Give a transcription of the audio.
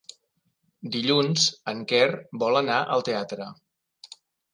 Dilluns en Quer vol anar al teatre.